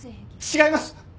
違います！